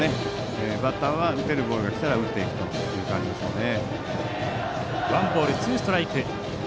バッターは打てるボールが来たら打つという感じでしょうね。